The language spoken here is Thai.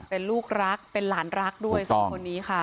เป็นลูกรักเป็นหลานรักด้วยสองคนนี้ค่ะ